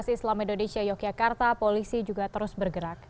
di universitas islam indonesia yogyakarta polisi juga terus bergerak